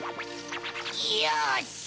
よし！